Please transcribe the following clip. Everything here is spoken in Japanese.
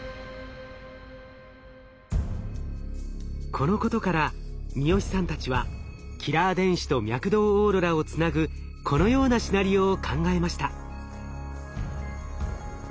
このことから三好さんたちはキラー電子と脈動オーロラをつなぐこのようなシナリオを考えました。